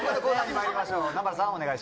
まいりましょう。